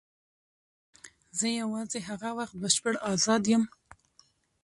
زه یوازې هغه وخت بشپړ آزاد یم.